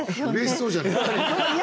嬉しそうじゃない。